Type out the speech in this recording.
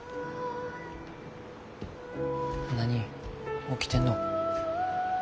何起きてんの。